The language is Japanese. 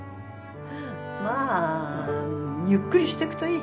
まあゆっくりしてくといい。